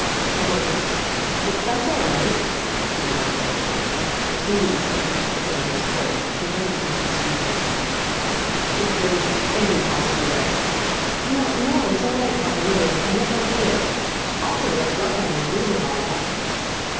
'Oh, that's all right,' said Mike thickly. There seemed to be something sticking in his throat, preventing him from speaking. 'If there was any possible way ' 'No, it's all right, father, really. I don't mind a bit. It's awfully rough luck on you losing all that.'